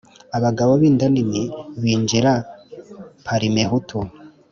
Abagabo b'inda nini binjira Parimehutu